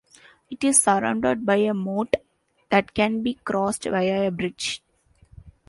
It is surrounded by a moat that can be crossed via a bridge.